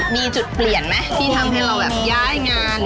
มีจุดเปลี่ยนไหมที่ทำให้เราแบบย้ายงาน